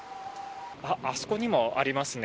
あそこにもありますね。